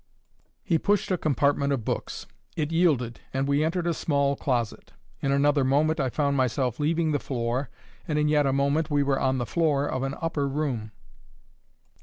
He pushed a compartment of books. It yielded, and we entered a small closet. In another moment I found myself leaving the floor, and in yet a moment we were on the floor of an upper room.